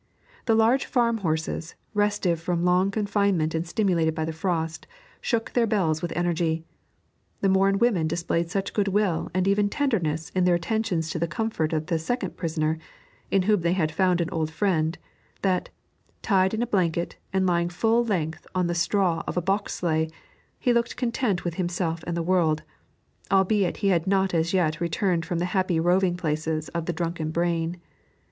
The large farm horses, restive from long confinement and stimulated by the frost, shook their bells with energy. The Morin women displayed such goodwill and even tenderness in their attentions to the comfort of the second prisoner, in whom they had found an old friend, that, tied in a blanket and lying full length on the straw of a box sleigh, he looked content with himself and the world, albeit he had not as yet returned from the happy roving places of the drunken brain.